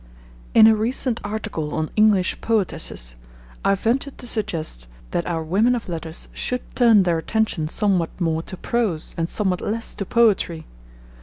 In a recent article on English Poetesses, I ventured to suggest that our women of letters should turn their attention somewhat more to prose and somewhat less to poetry.